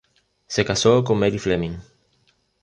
Se casó con Mary Fleming.